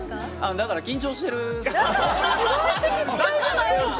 だから緊張してる。